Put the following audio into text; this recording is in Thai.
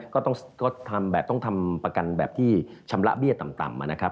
ก็ต้องทำประกันแบบที่ชำระเบี้ยต่ำมานะครับ